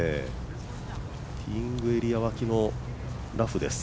ティーイングエリア脇のラフです。